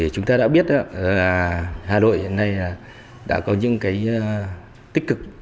chúng ta đã biết hà nội hiện nay đã có những cái tích cực